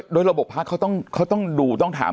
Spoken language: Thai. โดยระบบพักเขาต้องดูต้องถาม